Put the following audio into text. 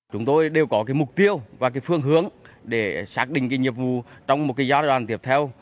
chúng tôi đều có mục tiêu và phương hướng để xác định nhiệm vụ trong một giai đoạn tiếp theo